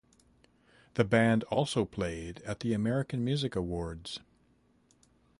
The band also played at the American Music Awards.